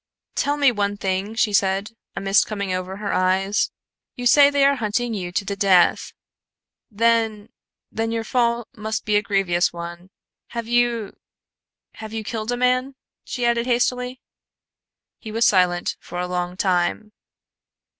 "Tell me one thing," she said, a mist coming over her eyes. "You say they are hunting you to the death. Then then your fault must be a grievous one. Have you have you killed a man?" she added hastily. He was silent for a long time.